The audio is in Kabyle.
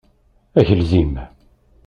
Agelzim.